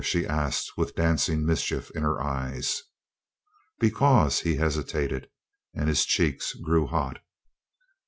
she asked, with dancing mischief in her eyes. "Because " he hesitated, and his cheeks grew hot.